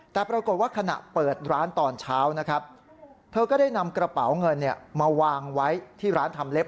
แต่ปรากฏว่าขณะเปิดร้านตอนเช้านะครับเธอก็ได้นำกระเป๋าเงินมาวางไว้ที่ร้านทำเล็บ